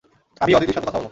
আভি, অদিতির সাথে কথা বল!